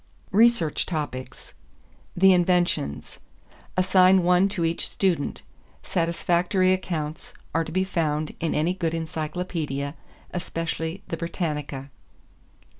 =Research Topics= =The Inventions.= Assign one to each student. Satisfactory accounts are to be found in any good encyclopedia, especially the Britannica.